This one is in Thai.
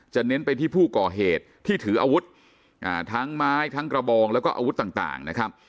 เน้นไปที่ผู้ก่อเหตุที่ถืออาวุธทั้งไม้ทั้งกระบองแล้วก็อาวุธต่างนะครับ